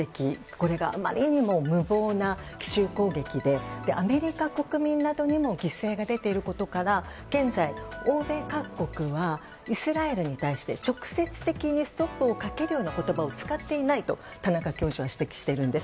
これがあまりにも無謀な奇襲攻撃でアメリカ国民などにも犠牲が出ていることから現在、欧米各国はイスラエルに対して直接的にストップをかけるような言葉を使っていないと田中教授は指摘しているんです。